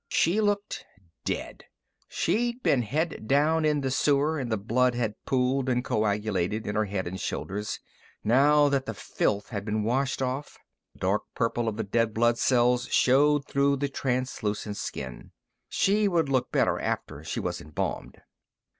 She looked dead. She'd been head down in the sewer, and the blood had pooled and coagulated in her head and shoulders. Now that the filth had been washed off, the dark purple of the dead blood cells showed through the translucent skin. She would look better after she was embalmed.